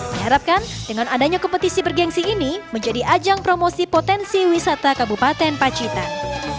diharapkan dengan adanya kompetisi bergensi ini menjadi ajang promosi potensi wisata kabupaten pacitan